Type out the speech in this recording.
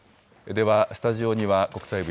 では、スタジオには、国際部、